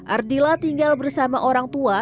ardila tinggal bersama orang tua